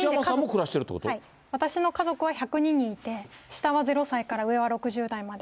今、私の家族は１０２人いて、下はゼロ歳から上は６０代まで。